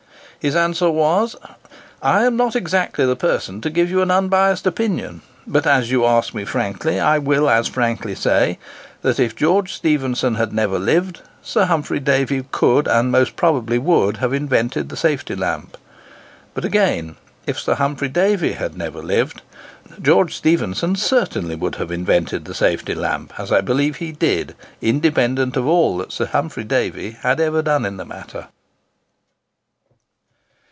His answer was, "I am not exactly the person to give an unbiassed opinion; but, as you ask me frankly, I will as frankly say, that if George Stephenson had never lived, Sir Humphry Davy could and most probably would have invented the safety lamp; but again, if Sir Humphry Davy had never lived, George Stephenson certainly would have invented the safety lamp, as I believe he did, independent of all that Sir Humphry Davy had ever done in the matter."